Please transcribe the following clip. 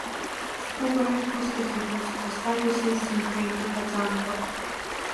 Сгәы бара ибысҭахьеит усгьы, сажәа са исзынхеит, иҳәаӡамкәа.